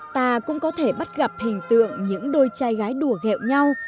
ta cũng có thể bắt gặp hình tượng những đôi trai gái đùa gẹo nhau